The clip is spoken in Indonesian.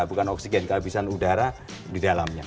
bukan oksigen kehabisan udara di dalamnya